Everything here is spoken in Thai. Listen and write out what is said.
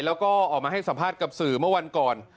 แล้วก็ออกมาให้สัมภาษณ์กับสื่อเมื่อวันก่อน